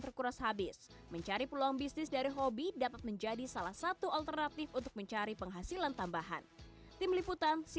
sebenernya kayak gitu